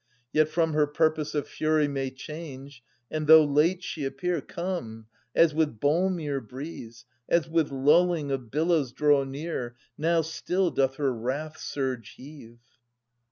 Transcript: Yet from her purpose of fury may change, and, though late she appear, Come as with balmier breeze, as with lulling of billows draw near. Now still doth her wrath surge heave.